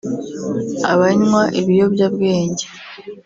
abanywa ibiyobyabwenge